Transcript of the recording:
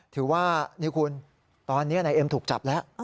ถือว่านี่คุณตอนนี้นายเอ็มถูกจับแล้ว